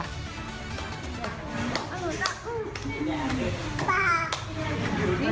นี่ป่ารหรือ